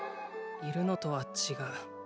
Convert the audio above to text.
いるのとは違う。